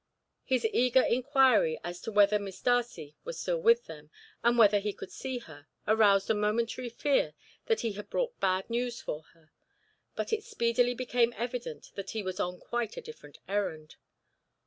His eager inquiry as to whether Miss Darcy were still with them, and whether he could see her, aroused a momentary fear that he had brought bad news for her, but it speedily became evident that he was on quite a different errand.